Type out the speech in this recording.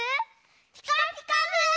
「ピカピカブ！」。